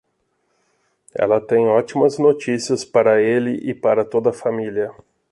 Ela tem ótimas notícias para ele e para toda a família.